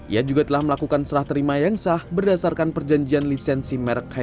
ia juga telah melakukan serah terima yang sah berdasarkan perjanjian lisensi merek hi lima